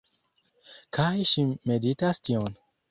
Kaj ŝi meditas tion